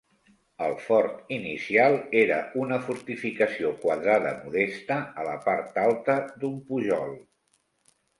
El fort inicial era una fortificació quadrada modesta a la part alta d'un pujol.